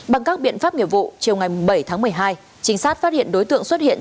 bằng các biện pháp nghiệp vụ chiều ngày bảy tháng một mươi hai trinh sát phát hiện đối tượng xuất hiện